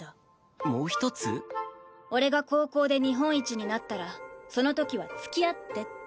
「俺が高校で日本一になったらその時は付き合って」って。